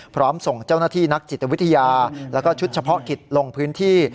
ส่งเจ้าหน้าที่นักจิตวิทยาแล้วก็ชุดเฉพาะกิจลงพื้นที่